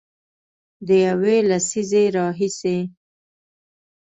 د یوې لسیزې راهیسې